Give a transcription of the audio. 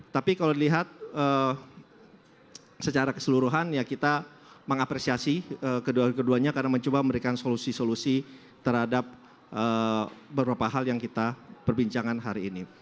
tapi kalau dilihat secara keseluruhan ya kita mengapresiasi kedua keduanya karena mencoba memberikan solusi solusi terhadap beberapa hal yang kita perbincangkan hari ini